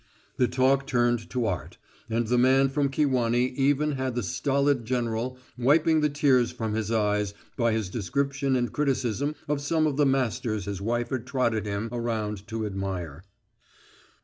The talk turned to art, and the man from Kewanee even had the stolid general wiping the tears from his eyes by his description and criticism of some of the masters his wife had trotted him around to admire.